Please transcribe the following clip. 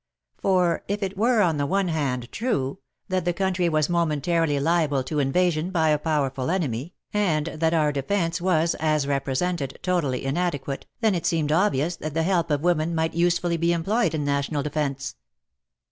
For, if it were, on the one hand, true, that the country was momentarily liable to invasion by a powerful enemy, and that our defence was, as represented, totally inadequate, then it seemed obvious that the help of women might usefully be employed in National Defence.